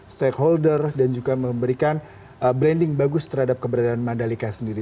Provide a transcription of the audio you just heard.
stakeholder dan juga memberikan branding bagus terhadap keberadaan mandalika sendiri